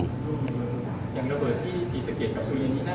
อย่างระเบิดที่ศรีสะเกดกับซูยีนนี้